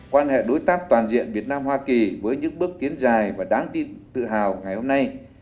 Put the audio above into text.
quan hệ đối tác toàn diện việt nam hoa kỳ với những bước tiến dài và đáng tự hào ngày hôm nay